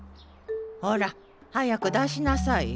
ほら早く出しなさいよ。